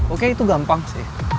oke itu gampang sih